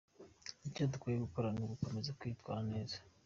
Icyo dukwiye gukora ni ugukomeza kwitwara neza.